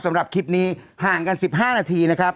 สำหรับคลิปนี้ห่างกัน๑๕นาทีนะครับ